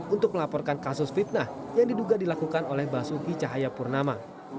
untuk melaporkan kasus fitnah yang diduga dilakukan oleh basuki cahayapurnama